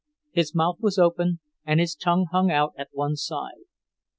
His mouth was open and his tongue hung out at one side.